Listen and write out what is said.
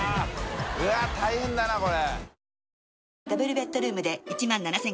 うわぁ大変だなこれ。